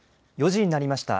４時になりました。